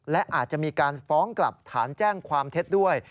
และอาจจะมีการฟ้องกลับฐานแจ้งความเท็จด้วย